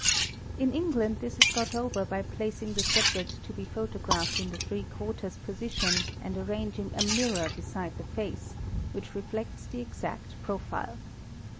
In England this is got over by placing the subject to be photographed in the three quarters position and arranging a mirror beside the face which reflects the exact profile.